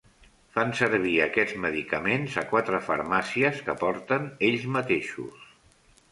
Fan servir aquests medicaments a quatre farmàcies que porten ells mateixos.